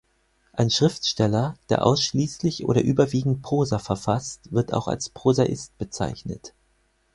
Ein Schriftsteller, der ausschließlich oder überwiegend Prosa verfasst, wird auch als Prosaist bezeichnet.